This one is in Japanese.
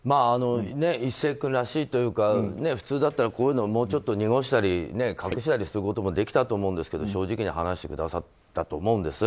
壱成君らしいというか普通だったらこういうのもうちょっと濁したり隠したりすることもできたと思うんですが正直に話してくださったと思うんです。